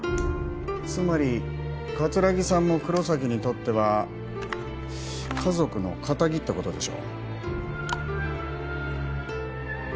つまり桂木さんも黒崎にとっては家族の仇ってことでしょ？